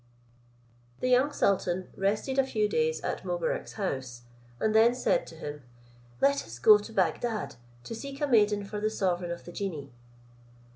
The young sultan rested a few days at Mobarec's house, and then said to him, "Let us go to Bagdad, to seek a maiden for the sovereign of the genii."